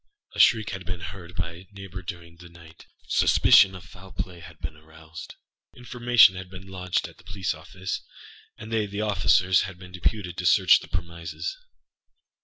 A shriek had been heard by a neighbour during the night; suspicion of foul play had been aroused; information had been lodged at the police office, and they (the officers) had been deputed to search the premises.